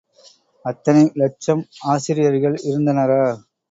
அத்தனை இலட்சம் ஆசிரியர்கள் இருந்தனரா?